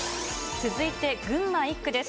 続いて群馬１区です。